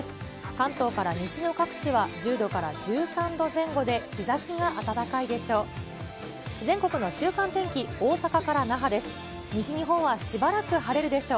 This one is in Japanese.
関東から西の各地は１０度から１３度前後で、日ざしが暖かいでしょう。